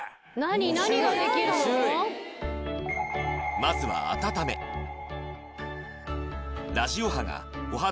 まずは温めラジオ波がお肌を